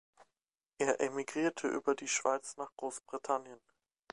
Er emigrierte über die Schweiz nach Großbritannien.